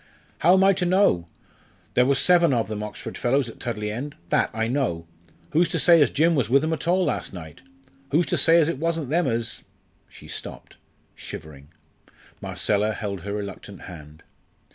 "How am I to know? There was seven o' them Oxford fellows at Tudley End that I know. Who's to say as Jim was with 'em at all last night? Who's to say as it wasn't them as " She stopped, shivering. Marcella held her reluctant hand.